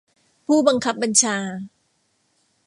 ผู้บังคับบัญชา